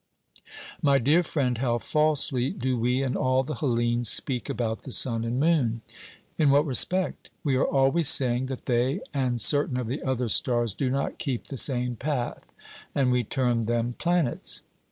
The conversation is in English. My dear friend, how falsely do we and all the Hellenes speak about the sun and moon! 'In what respect?' We are always saying that they and certain of the other stars do not keep the same path, and we term them planets.